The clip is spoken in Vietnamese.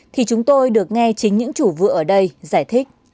thì chúng tôi được nghe chính những chủ vựa ở đây giải thích